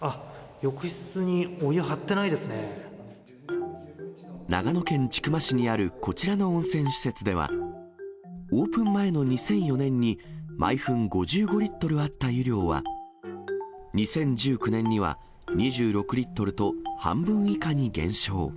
あっ、長野県千曲市にあるこちらの温泉施設では、オープン前の２００４年に、毎分５５リットルあった湯量は、２０１９年には２６リットルと、半分以下に減少。